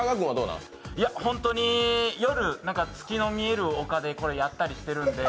本当に夜、月の見える丘でこれやったりしてるんで。